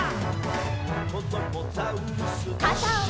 「こどもザウルス